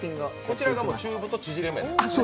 こちらが中太ちぢれ麺。